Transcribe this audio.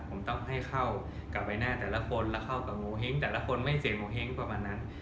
ผมต้องให้เข้ากับใบหน้าแต่ละคนแล้วเข้ากับโงเห้งแต่ละคนไม่เสียโงเห้งประมาณนั้น